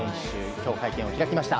今日、会見を開きました。